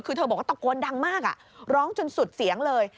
คือเธอบอกว่าตะโกนดังมากร้องจนสุดเสียงเลย